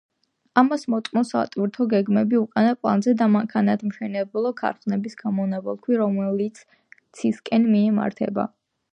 ამას მოწმობს სატვირთო გემები უკანა პლანზე და მანქანათსამშენებლო ქარხნების გამონაბოლქვი, რომელიც ცისკენ მიემართება.